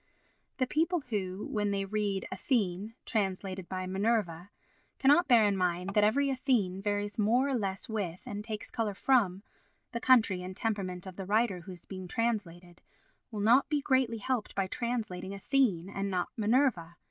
The people who, when they read "Athene" translated by "Minerva," cannot bear in mind that every Athene varies more or less with, and takes colour from, the country and temperament of the writer who is being translated, will not be greatly helped by translating "Athene" and not "Minerva."